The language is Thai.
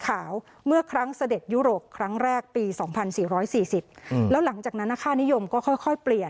แล้วหลังจากนั้นน่ะค่านิยมก็ค่อยเปลี่ยน